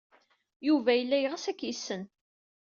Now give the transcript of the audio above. Yuba yella yeɣs ad k-yessen.